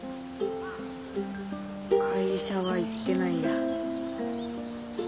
会社は行ってないや。